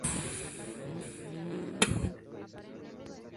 De Mayo, Av.